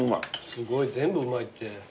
すごい全部うまいって。